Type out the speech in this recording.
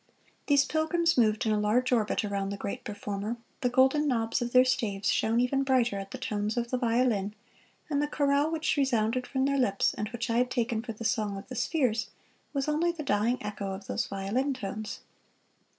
These pilgrims moved in a large orbit around the great performer, the golden knobs of their staves shone even brighter at the tones of the violin, and the chorale which resounded from their lips, and which I had taken for the song of the spheres, was only the dying echo of those violin tones.